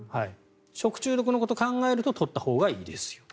食中毒のことを考えると取ったほうがいいです。